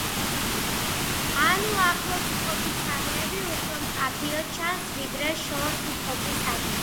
ანუ ახლოს მყოფი საგნები უფრო მკაფიოდ ჩანს ვიდრე შორს მყოფი საგნები.